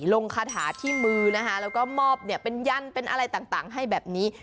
คาถาที่มือนะคะแล้วก็มอบเป็นยันเป็นอะไรต่างให้แบบนี้